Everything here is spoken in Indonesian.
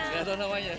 nggak tahu namanya